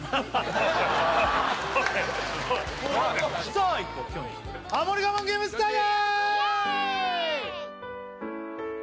さあいこうきょんちぃハモリ我慢ゲームスタート！